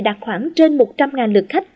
đạt khoảng trên một trăm linh lượt khách